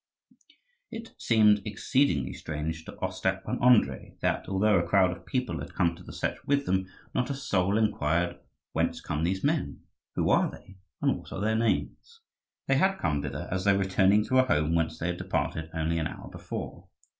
It seemed exceedingly strange to Ostap and Andrii that, although a crowd of people had come to the Setch with them, not a soul inquired, "Whence come these men? who are they? and what are their names?" They had come thither as though returning to a home whence they had departed only an hour before.